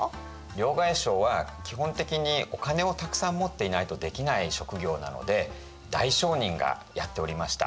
両替商は基本的にお金をたくさん持っていないとできない職業なので大商人がやっておりました。